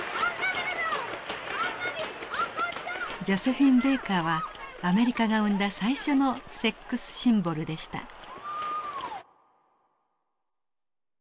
ジョセフィン・ベーカーはアメリカが生んだ最初のセックス・シンボルでした。